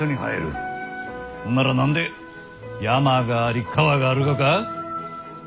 なら何で山があり川があるがか？